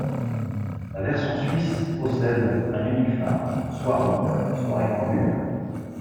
La version suisse possède un unique phare, soit rond, soit rectangulaire.